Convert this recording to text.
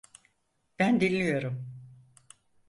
Ben dinliyorum.